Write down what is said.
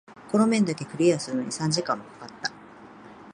この面だけクリアするのに三時間も掛かった。